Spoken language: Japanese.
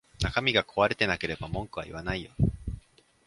中身が壊れてなければ文句は言わないよ